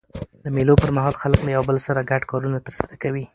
د مېلو پر مهال خلک له یو بل سره ګډ کارونه ترسره کوي.